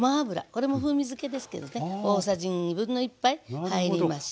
これも風味づけですけどね大さじ1/2杯入りました。